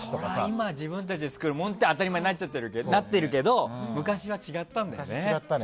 今は自分たちで作るものって当たり前になってるけど昔は違ったんだよね。